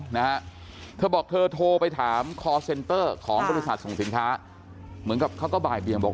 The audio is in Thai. ถ้าเธอบอกทนโทรไปถามคอร์เซ็นเตอร์ของกลุ่มบีโดยศาสตร์ส่งสินค้าเขาก็บ่ายเปรี้ยงบอก